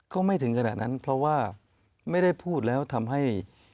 ก็ไม่ถึงขนาดนั้นเพราะว่าไม่ได้พูดแล้วทำให้